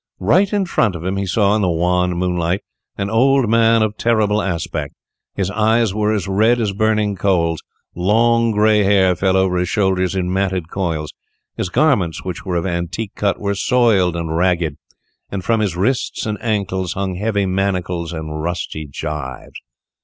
Right in front of him he saw, in the wan moonlight, an old man of terrible aspect. His eyes were as red burning coals; long grey hair fell over his shoulders in matted coils; his garments, which were of antique cut, were soiled and ragged, and from his wrists and ankles hung heavy manacles and rusty gyves.